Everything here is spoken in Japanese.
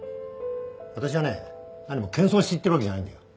私はね何も謙遜して言ってるわけじゃないんだよ。